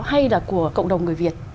hay là của cộng đồng người việt